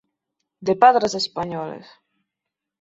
De padres españoles.